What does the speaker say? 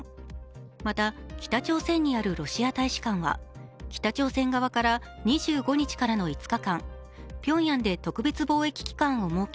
また、北朝鮮にあるロシア大使館は北朝鮮側から２５日からの５日間、ピョンヤンで特別防疫期間を設け